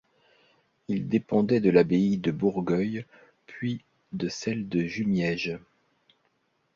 Il dépendait de l'abbaye de Bourgueil, puis de celle de Jumièges.